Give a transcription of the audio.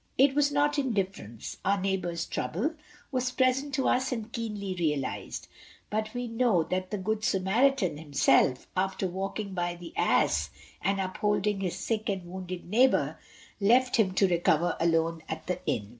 It was not indifference; our neigh bour's trouble was present to us and keenly realised; but we know that the good Samaritan himself, after walking by the ass and upholding his sick and wounded neighbour, left him to recover alone at the inn.